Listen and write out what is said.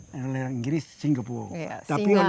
dalam bahasa inggris singapura